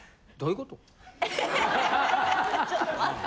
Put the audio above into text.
ハハハちょっと待って。